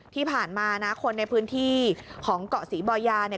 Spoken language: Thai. ที่ผ่านมานะคนในพื้นที่ของเกาะศรีบอยาเนี่ย